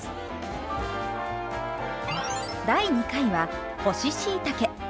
第２回は干ししいたけ。